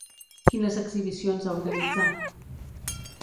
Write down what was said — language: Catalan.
Quines exhibicions ha organitzat?